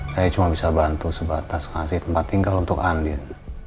saya cuma bisa bantu sebatas ngasih tempat tinggal untuk andin